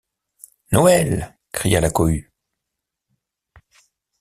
Noël! cria la cohue.